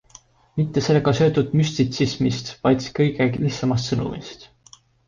Mitte sellega seotud müstitsismist, vaid kõige lihtsamast sõnumist.